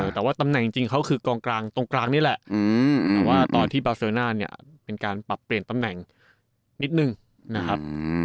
แต่ว่าตำแหน่งจริงเขาคือกองกลางตรงกลางนี่แหละแต่ว่าตอนที่บาเซอร์น่าเนี่ยเป็นการปรับเปลี่ยนตำแหน่งนิดนึงนะครับ